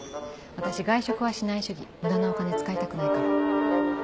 私外食はしない主義無駄なお金使いたくないから。